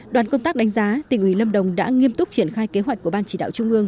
đoàn công tác đánh giá tỉnh ủy lâm đồng đã nghiêm túc triển khai kế hoạch của ban chỉ đạo trung ương